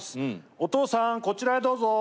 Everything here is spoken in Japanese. お父さんこちらへどうぞ！